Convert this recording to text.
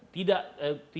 tidak terlalu banyak kesehatan